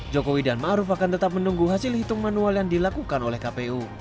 jokowi dan ma'ruf akan tetap menunggu hasil hitung manual yang dilakukan oleh kpu